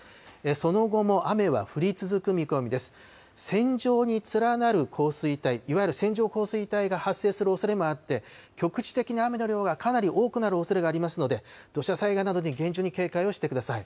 線状に連なる降水帯、いわゆる線状降水帯が発生するおそれもあって、局地的に雨の量がかなり多くなるおそれがありますので、土砂災害などに厳重に警戒をしてください。